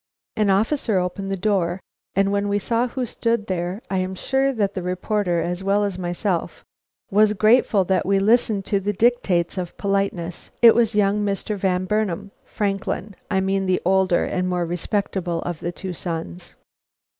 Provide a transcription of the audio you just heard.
An officer opened the door, and when we saw who stood there, I am sure that the reporter, as well as myself, was grateful that we listened to the dictates of politeness. It was young Mr. Van Burnam Franklin; I mean the older and more respectable of the two sons.